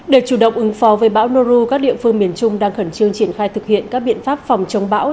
để chủ động ứng phó với bão noru các địa phương miền trung đang khẩn trương triển khai thực hiện các biện pháp phòng chống bão